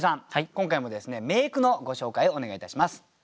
今回も名句のご紹介をお願いいたします。